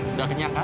udah kenyang kan